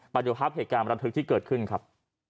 มาเดี๋ยวครับเหตุการณ์บรรทึกที่เกิดขึ้นครับ